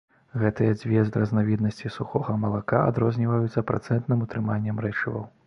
Гэтыя дзве разнавіднасці сухога малака адрозніваюцца працэнтным утрыманнем рэчываў.